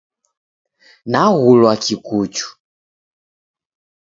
Naghulwa Kikuchu.